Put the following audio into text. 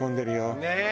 ねえ。